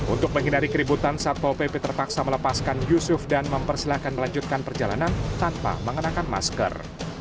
untuk menghindari keributan satpol pp terpaksa melepaskan yusuf dan mempersilahkan melanjutkan perjalanan tanpa mengenakan masker